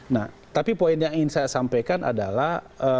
nah tapi poin yang ingin saya sampaikan adalah